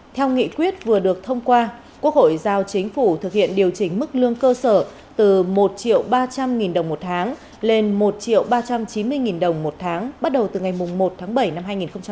theo nghị quyết vừa được thông qua quốc hội giao chính phủ thực hiện điều chỉnh mức lương cơ sở từ một ba trăm linh nghìn đồng một tháng lên một ba trăm chín mươi đồng một tháng bắt đầu từ ngày một tháng bảy năm hai nghìn hai mươi